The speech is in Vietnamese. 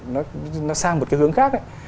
nó sang một cái hướng khác ấy